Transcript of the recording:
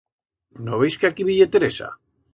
No veis que aquí bi ye Teresa?